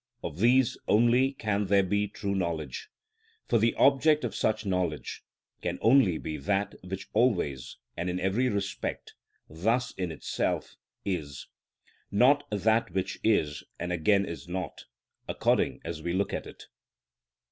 Of these only can there be true knowledge, for the object of such knowledge can only be that which always and in every respect (thus in itself) is; not that which is and again is not, according as we look at it."